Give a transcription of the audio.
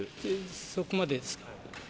そこまでですか。